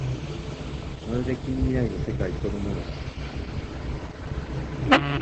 まるで近未来の世界そのものだ